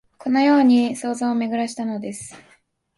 このように想像をめぐらしたのです